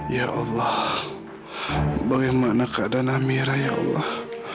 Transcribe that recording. ya allah bagaimana keadaan amirah ya allah